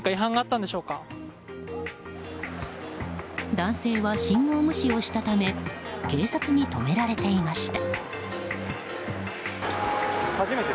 男性は信号無視をしたため警察に止められていました。